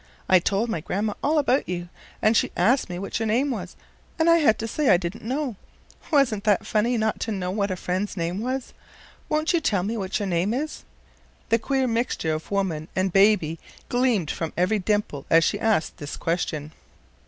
I told my Grandma all about you, and she asked me what your name was, and I had to say I didn't know. Wasn't that funny not to know what a friend's name was? Won't you tell me what your name is?" The queer mixture of woman and baby gleamed from every dimple as she asked this question.